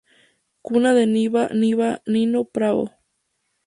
Cuna de Nino Bravo'.